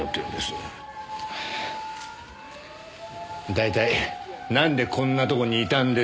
大体なんでこんなとこにいたんです？